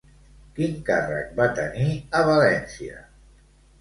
Quin càrrec va tenir a València?